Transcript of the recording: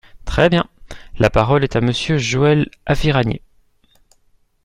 Très bien ! La parole est à Monsieur Joël Aviragnet.